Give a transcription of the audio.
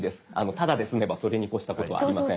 タダで済めばそれに越したことはありません。